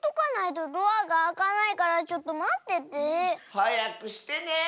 はやくしてね！